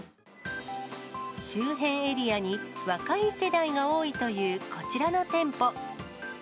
周辺エリアに若い世代が多いというこちらの店舗。